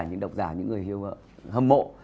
những độc giả những người hâm mộ